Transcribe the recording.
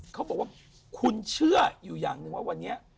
เขาบอกว่าคุณเชื่ออยู่อย่างหนึ่งว่าวันนี้